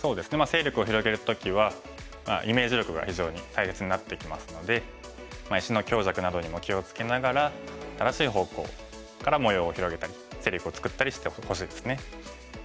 勢力を広げる時はイメージ力が非常に大切になってきますので石の強弱などにも気を付けながら正しい方向から模様を広げたり勢力を作ったりしてほしいですね。